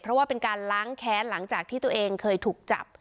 เพราะว่าเป็นการล้างแค้นหลังจากที่ตัวเองเคยถูกจับ